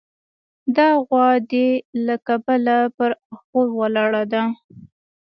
دا غوا دې له کله پر اخور ولاړه ده.